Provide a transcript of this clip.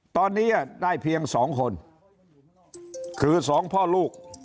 ตอนนี้ได้เพียงสองคนคือสองพ่อลูก